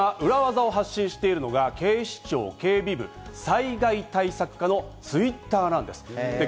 このような裏ワザを発信しているのが、警視庁警備部災害対策課のＴｗｉｔｔｅｒなんです。